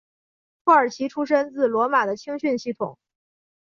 库尔奇出身自罗马的青训系统。